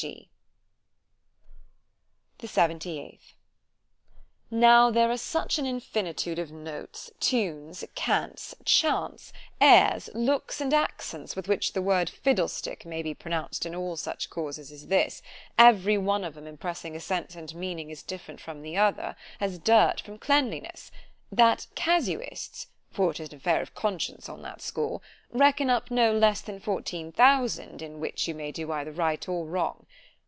Chapter the Seventy eighth NOW there are such an infinitude of notes, tunes, cants, chants, airs, looks, and accents with which the word fiddlestick may be pronounced in all such causes as this, every one of 'em impressing a sense and meaning as different from the other, as dirt from cleanliness—That Casuists (for it is an affair of conscience on that score) reckon up no less than fourteen thousand in which you may do either right or wrong.